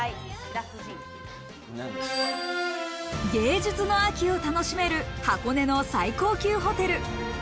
芸術の秋を楽しめる箱根の最高級ホテル。